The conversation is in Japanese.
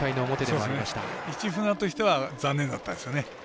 市船としては残念だったですよね。